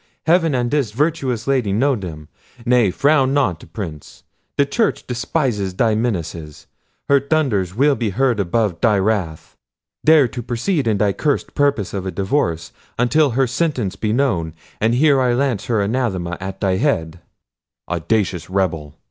Heaven and this virtuous lady know them—nay, frown not, Prince. The Church despises thy menaces. Her thunders will be heard above thy wrath. Dare to proceed in thy cursed purpose of a divorce, until her sentence be known, and here I lance her anathema at thy head." "Audacious rebel!"